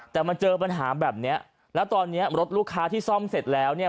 แต่มาเจอปัญหาแบบนี้แล้วตอนนี้รถลูกค้าที่ซ่อมเสร็จแล้วเนี่ย